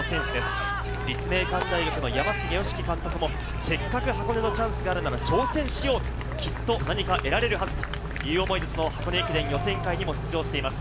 立命館大学の山菅善樹監督も、せっかく箱根のチャンスがあるなら挑戦しようと、きっと何か得られるはずという思いで箱根駅伝予選会にも出場しています。